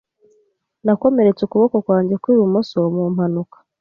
Nakomeretse ukuboko kwanjye kwi bumoso mu mpanuka.